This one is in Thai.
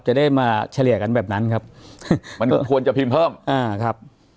จะได้มาเฉลี่ยกันแบบนั้นครับมันควรจะพิมพ์เพิ่มอ่าครับ